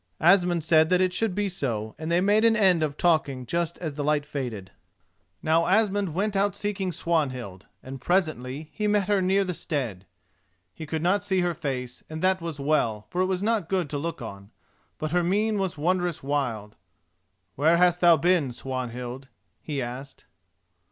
Asmund said that it should be so, and they made an end of talking just as the light faded. Now Asmund went out seeking Swanhild, and presently he met her near the stead. He could not see her face, and that was well, for it was not good to look on, but her mien was wondrous wild. "Where hast thou been, Swanhild?" he asked.